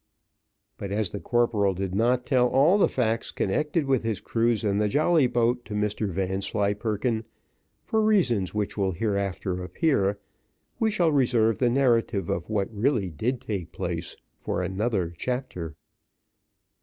But as the corporal did not tell all the facts connected with his cruise in the jolly boat to Mr Vanslyperken, for reasons which will hereafter appear, we shall reserve the narrative of what really did take place for another chapter.